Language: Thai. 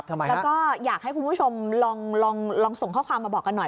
แล้วก็อยากให้คุณผู้ชมลองส่งข้อความมาบอกกันหน่อย